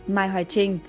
mai hoài trinh